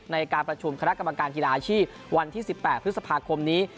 ในการประชุมคณะกรรมการกีฬาอาชีพวันที่๑๘พฤษภาคมนี้